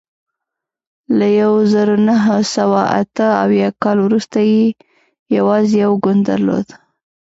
له یوه زرو نهه سوه اته اویا کال وروسته یې یوازې یو ګوند درلود.